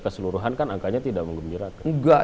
keseluruhan kan angkanya tidak menggembirakan nggak